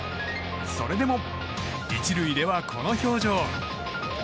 それでも１塁では、この表情。